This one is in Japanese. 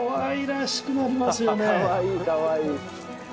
かわいいかわいい。